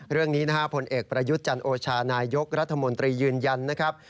เรื่องนี้นะฮะผลเอกประยุทธ์จันโอชานายกรัฐมนตรียืนยันนะครับ